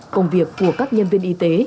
công việc của các nhân viên y tế